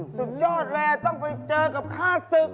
สุดยอดเลยต้องไปเจอกับฆ่าศึก